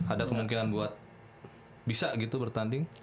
ada kemungkinan buat bisa gitu bertanding